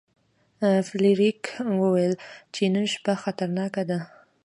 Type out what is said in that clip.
فلیریک وویل چې نن شپه خطرناکه ده.